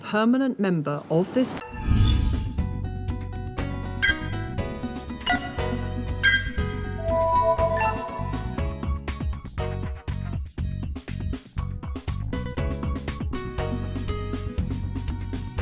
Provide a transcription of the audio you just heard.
hãy đăng ký kênh để ủng hộ kênh của mình nhé